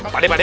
pak d pak d